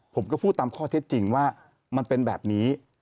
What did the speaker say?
ผมก็พูดตามข้อเท็จจริงว่ามันเป็นแบบนี้